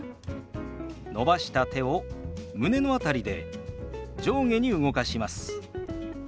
伸ばした手を胸の辺りで上下に動かします。